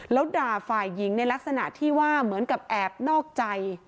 แล้วด่าฝ่ายหญิงในลักษณะที่ว่าเหมือนกับแอบนอกใจ